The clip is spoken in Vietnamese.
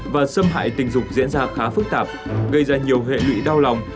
và xâm hại tình dục diễn ra khá phức tạp gây ra nhiều hệ lụy đau lòng